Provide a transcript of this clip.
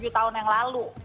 tujuh tahun yang lalu